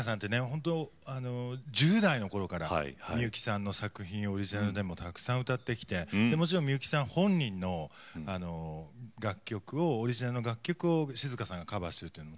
ほんと１０代の頃からみゆきさんの作品オリジナルでもたくさん歌ってきてもちろんみゆきさん本人の楽曲をオリジナルの楽曲を静香さんがカバーするというのもたくさんあってね